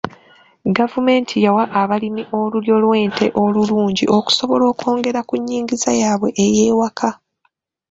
Gavumenti yawa abalimi olulyo lw'ente olulungi okusobola okwongera ku nnyingiza yaabwe ey'ewaka.